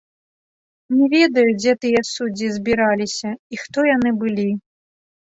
Не ведаю, дзе тыя суддзі збіраліся і хто яны былі.